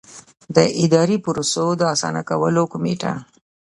د اداري پروسو د اسانه کولو کمېټه.